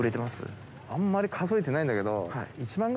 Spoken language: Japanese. あんまり数えてないんだけど。